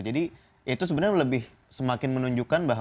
jadi itu sebenarnya lebih semakin menunjukkan bahwa